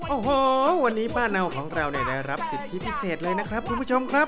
โอ้โหวันนี้ป้าเนาของเราได้รับสิทธิพิเศษเลยนะครับคุณผู้ชมครับ